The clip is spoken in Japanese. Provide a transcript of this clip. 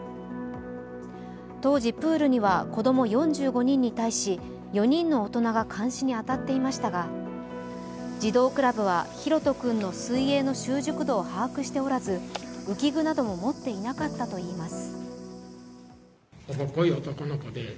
当時、プールには子供４５人に対し４人の大人が監視に当たっていましたが、児童クラブは大翔君の水泳の習熟度を把握しておらず、浮き具なども持っていなかったといいます。